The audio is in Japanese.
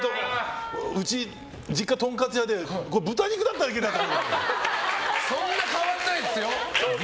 うち実家、とんかつ屋でそんな変わらないですよ。